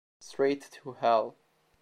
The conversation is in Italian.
Straight to Hell